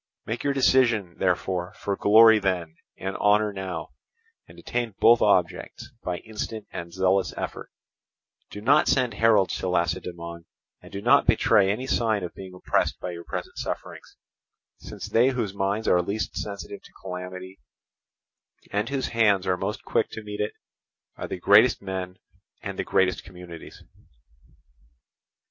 Make your decision, therefore, for glory then and honour now, and attain both objects by instant and zealous effort: do not send heralds to Lacedaemon, and do not betray any sign of being oppressed by your present sufferings, since they whose minds are least sensitive to calamity, and whose hands are most quick to meet it, are the greatest men and the greatest communities."